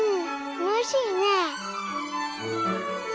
おいしいね。